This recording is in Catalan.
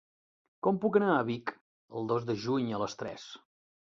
Com puc anar a Vic el dos de juny a les tres?